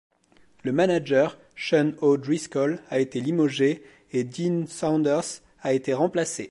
Le manager, Sean O'Driscoll, a été limogé et Dean Saunders a été remplacé.